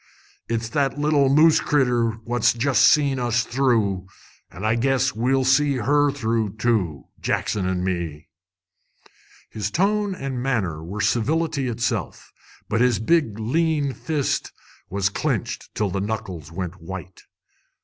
It's that little moose critter what's jest seen us through, an' I guess we'll see her through, too, Jackson an' me!" His tone and manner were civility itself, but his big lean fist was clenched till the knuckles went white.